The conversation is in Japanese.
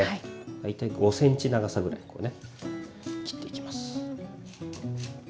大体５ｃｍ長さぐらいに切っていきます。